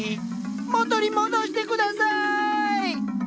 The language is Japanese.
元に戻してください！